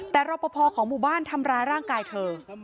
แต่รอปภของหมู่บ้านทำร้ายร่างกายเธอ